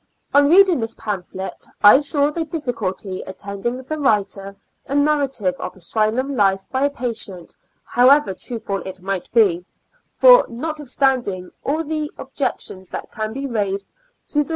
On reading this pamphlet, I saw the difficulty attending the writing a narrative of asylum life by a patient, however truthful it might be; for, notwith standing all the objections that can be raised to the Preface.